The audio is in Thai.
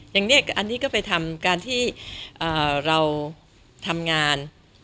อย่างนี้อันนี้ก็ไปทำการที่เราทำงาน